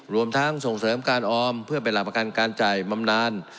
รวมทั้งส่งเสริมการออมเพื่อเป็นหลักประกันการจ่ายบำนาน